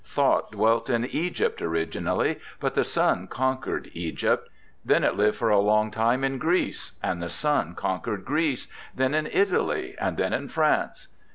Thought dwelt in Egypt originally, but the sun conquered Egypt; then it lived for a long time in Greece, and the sun conquered Greece, then in Italy, and then in France.